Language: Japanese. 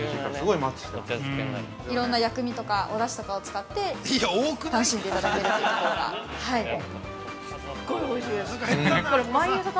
◆いろんな薬味とかおだしとかを使って楽しんでいただけるというところが。